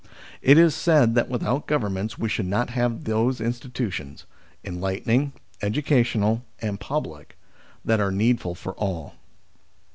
It is said that without Governments we should not have those institutions : enlightening, educational, and public, that are needful for all.